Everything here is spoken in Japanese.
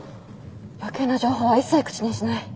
余計な情報は一切口にしない。